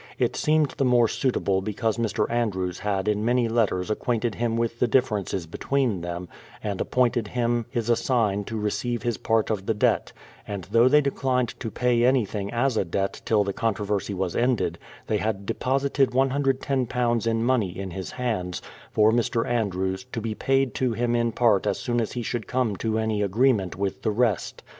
It seemed the more suitable be cause Mr. Andrews had in many letters acquainted him with the differences between them, and appointed him his assign to receive his part of the debt ; and though they declined to pay anything as a debt till the controversy was ended, they had deposited £iio in money in his hands, for Mr. Andrews, to be paid to him in part as soon as he should come to any THE PLYMOUTH SETTLEMENT/ 303 agreement with the rest.